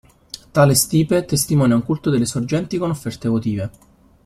Tale stipe testimonia un culto delle sorgenti con offerte votive.